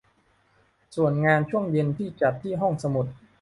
ส่วนงานช่วงเย็นที่จัดที่ห้องสมุด